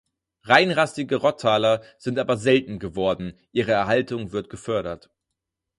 Reinrassige Rottaler sind aber selten geworden, ihre Erhaltung wird gefördert.